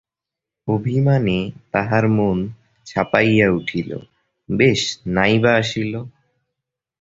অভিমানে তাহার মন ছাপাইয়া উঠিল, বেশ, নাই বা আসিল?